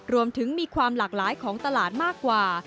มีความหลากหลายของตลาดมากกว่า